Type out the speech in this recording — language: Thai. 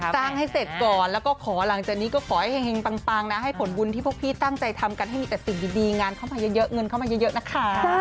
ให้เสร็จก่อนแล้วก็ขอหลังจากนี้ก็ขอให้เห็งปังนะให้ผลบุญที่พวกพี่ตั้งใจทำกันให้มีแต่สิ่งดีงานเข้ามาเยอะเงินเข้ามาเยอะนะคะ